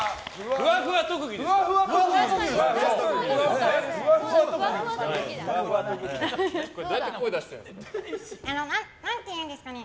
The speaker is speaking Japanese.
ふわふわ特技だからね。